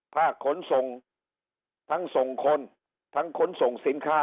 ขนส่งทั้งส่งคนทั้งขนส่งสินค้า